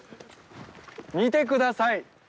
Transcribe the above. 見てください！